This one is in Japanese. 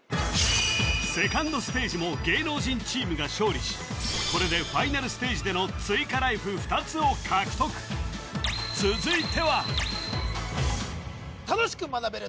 セカンドステージも芸能人チームが勝利しこれでファイナルステージでの追加ライフ２つを獲得続いては楽しく学べる！